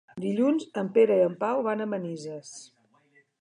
Dilluns en Pere i en Pau van a Manises.